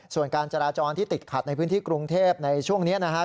ส่วนการจราจรที่ติดขัดในพื้นที่กรุงเทพในช่วงนี้นะครับ